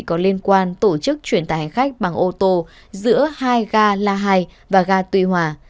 có liên quan tổ chức chuyển tải hành khách bằng ô tô giữa hai ga la hai và ga tuy hòa